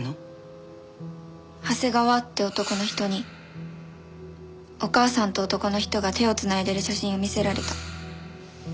長谷川って男の人にお母さんと男の人が手を繋いでる写真を見せられた。